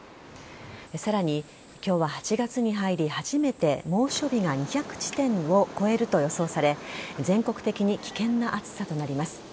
さらに今日は８月に入り初めて猛暑日が２００地点を超えると予想され全国的に危険な暑さとなります。